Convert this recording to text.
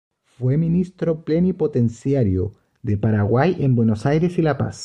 Fue ministro plenipotenciario de Paraguay en Buenos Aires y La Paz.